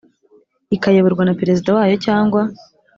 ikayoborwa na perezida wayo cyangwa